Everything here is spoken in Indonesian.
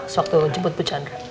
sewaktu jemput bu chandra